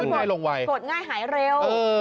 กดง่ายหายเร็ว